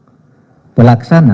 keuangan yang diperlukan oleh pemerintah